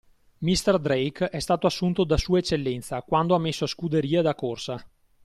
Mister Drake è stato assunto da Sua Eccellenza, quando ha messo scuderia da corsa.